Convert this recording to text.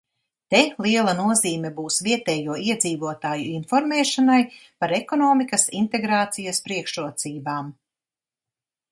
Te liela nozīme būs vietējo iedzīvotāju informēšanai par ekonomikas integrācijas priekšrocībām.